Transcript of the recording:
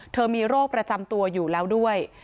มีโรคประจำตัวอยู่แล้วด้วย